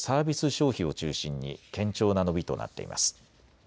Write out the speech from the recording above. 消費を中心に堅調な伸びとなっています。